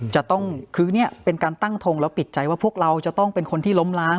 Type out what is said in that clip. จะต้องคือเนี่ยเป็นการตั้งทงแล้วปิดใจว่าพวกเราจะต้องเป็นคนที่ล้มล้าง